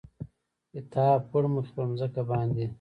کتاب پړمخې پر مځکه باندې،